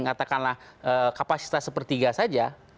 katakanlah kapasitas sepertiga saja